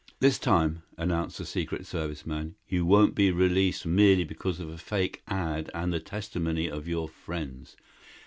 "This time," announced the Secret Service man, "you won't be released merely because of a fake ad. and the testimony of your friends.